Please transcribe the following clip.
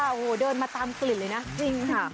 โอ้โหเดินมาตามกลิ่นเลยนะจริงค่ะ